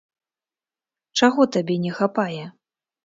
Чаго табе не хапае?